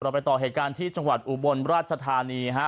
ไปต่อเหตุการณ์ที่จังหวัดอุบลราชธานีฮะ